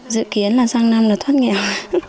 dự kiến là sang năm là thoát nghèo